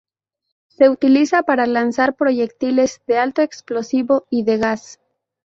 Se utilizaba para lanzar proyectiles de alto explosivo y de gas.